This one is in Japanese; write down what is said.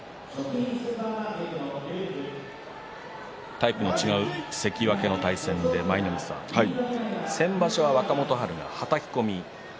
タイプの違う関脇の対戦で舞の海さん、先場所、若元春がはたき込み。